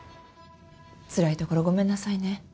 つらいところごめんなさいね。